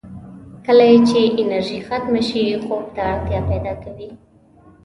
کله یې چې انرژي ختمه شي، خوب ته اړتیا پیدا کوي.